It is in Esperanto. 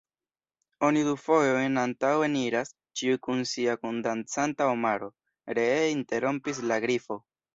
"Oni du fojojn antaŭen iras, ĉiu kun sia kundancanta omaro," ree interrompis la Grifo.